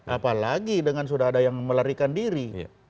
apalagi dengan sudah ada yang melarikan diri